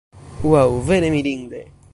Ŭaŭ, vere mirinde!